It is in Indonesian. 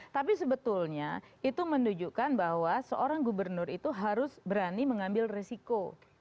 tapi sebetulnya itu menunjukkan bahwa seorang gubernur itu harus berani mengambil resiko